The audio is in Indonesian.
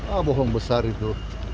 ah bohong besar itu